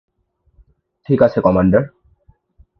ঠিক আছে, কমান্ডার।